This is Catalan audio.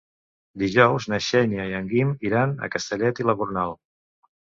Dijous na Xènia i en Guim iran a Castellet i la Gornal.